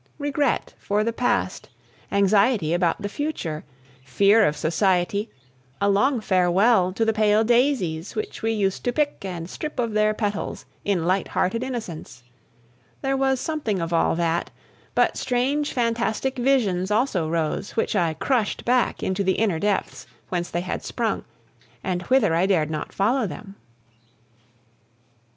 Regret for the past, anxiety about the future, fear of society, a long farewell to the pale daisies which we used to pick and strip of their petals in light hearted innocence, there was something of all that; but strange, fantastic visions also rose, which I crushed back into the inner depths, whence they had sprung, and whither I dared not follow them.